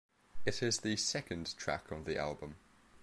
It is the second track on the album.